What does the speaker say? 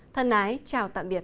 thân ái chào tạm biệt